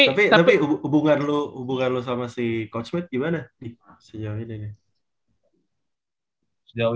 tapi hubungan lu sama si coach matt gimana nih sejauh ini